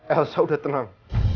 elsa udah tenang